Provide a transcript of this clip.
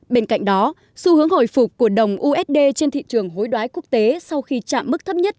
bên cạnh đó xu hướng hồi phục của đồng usd trên thị trường hối đoái quốc tế sau khi chạm mức thấp nhất